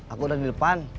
aku udah di depan